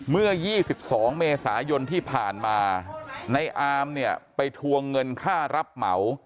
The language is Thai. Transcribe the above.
เมื่อ๒๒เมษายนที่ผ่านมาในอามเนี่ยไปทวงเงินค่ารับเหมา